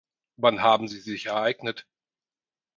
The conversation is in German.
Wann haben sie sich ereignet?